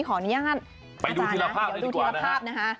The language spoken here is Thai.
ขออนุญาตอาจารย์นะเดี๋ยวดูทีละภาพนะคะ